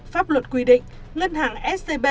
pháp luật quy định ngân hàng scb